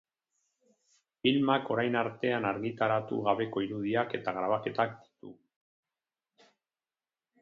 Filmak orain artean argitaratu gabeko irudiak eta grabaketak ditu.